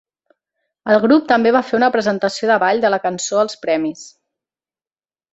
El grup també va fer una presentació de ball de la cançó als premis.